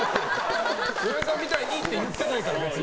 岩井さんみたいにって言ってないから、別に。